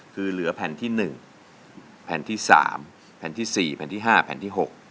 คือเหลือแผ่นที่๑แผ่นที่๓แผ่นที่๔แผ่นที่๕แผ่นที่๖